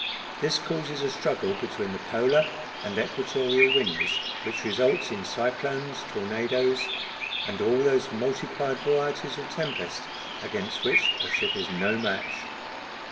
This causes a struggle between the polar and equatorial winds, which results in cyclones, tornadoes, and all those multiplied varieties of tempest against which a ship is no match."